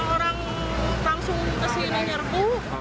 orang langsung kesini nyerbu